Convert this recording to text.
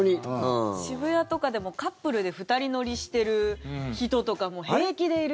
渋谷とかでもカップルで２人乗りしてる人とかも平気でいるし。